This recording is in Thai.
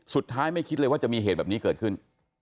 ไม่คิดเลยว่าจะมีเหตุแบบนี้เกิดขึ้น